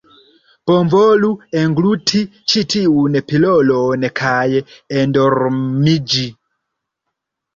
Bonvolu engluti ĉi tiun pilolon kaj endormiĝi.